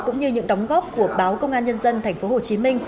cũng như những đóng góp của báo công an nhân dân tp hcm